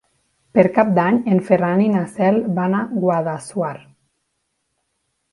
Per Cap d'Any en Ferran i na Cel van a Guadassuar.